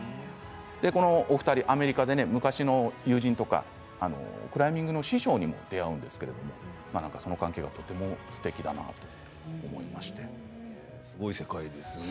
この２人がアメリカで昔の友人とかクライミングの師匠にも出会うんですけれどその関係がとてもすてきだなとすごい世界ですね。